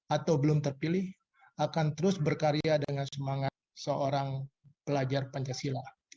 atau belum terpilih akan terus berkarya dengan semangat seorang pelajar pancasila